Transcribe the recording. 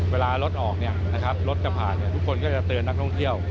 เวลารถออกรถจะผ่านทุกคนก็จะเตือนนักท่องเที่ยว